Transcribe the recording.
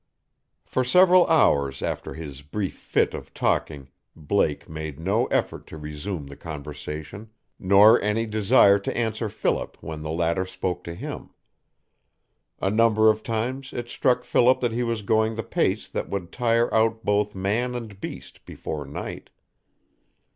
For several hours after his brief fit of talking Blake made no effort to resume the conversation nor any desire to answer Philip when the latter spoke to him. A number of times it struck Philip that he was going the pace that would tire out both man and beast before night.